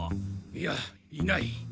いやいない。